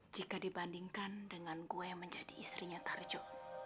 jika dibandingkan dengan gue yang menjadi istrinya tarjo